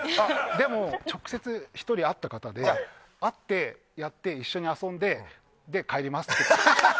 でも、直接１人会った方で会って、一緒に遊んで帰りますっていう方。